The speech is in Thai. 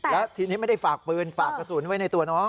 แล้วทีนี้ไม่ได้ฝากปืนฝากกระสุนไว้ในตัวน้อง